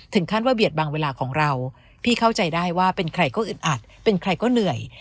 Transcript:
ถึงขั้นว่าเบียดบางเวลาของเราพี่เข้าใจได้ว่าเป็นใครก็อึดอัดเป็นใครก็เหนื่อย